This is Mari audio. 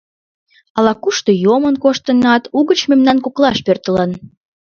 Ала-кушто йомын коштынат, угыч мемнан коклаш пӧртылын.